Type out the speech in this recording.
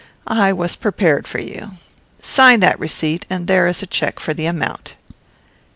I was prepared for you. Sign that receipt, and there is a check for the amount."